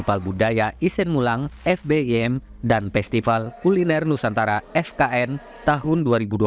fbim dan festival kuliner nusantara fkn tahun dua ribu dua puluh empat